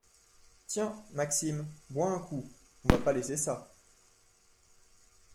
Tiens, Maxime, bois un coup, on va pas laisser ça.